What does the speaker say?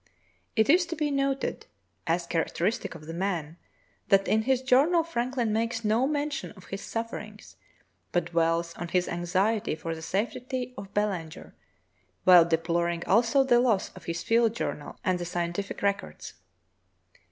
It is to be noted, as characteristic of the man, that in his journal Franklin makes no mention of his sufferings, but dwells on his anxiety for the safetv of Belanger, while deploring also the loss of his field journal and the scientific records.